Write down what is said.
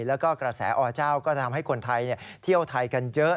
แล้วก็กระแสอเจ้าก็จะทำให้คนไทยเที่ยวไทยกันเยอะ